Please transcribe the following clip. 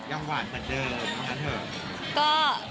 ยังหวานสัตว์เดิมนะเถอะ